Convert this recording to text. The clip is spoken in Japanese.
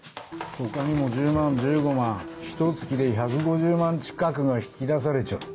⁉他にも１０万１５万ひと月で１５０万近くが引き出されちょる。